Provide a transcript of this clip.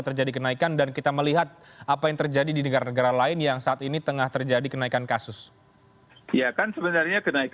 tiga plus satu yang tiga yang pertama adalah pembatasan sosial